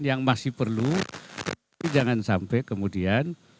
yang masih perlu jangan sampai kemudian